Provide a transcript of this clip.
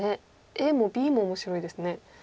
ＡもＢも面白いですね。